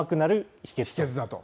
秘けつだと。